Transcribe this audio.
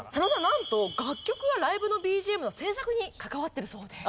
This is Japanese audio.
なんと楽曲やライブのＢＧＭの制作に関わってるそうです。